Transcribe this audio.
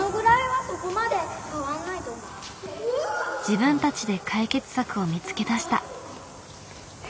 自分たちで解決策を見つけ出した。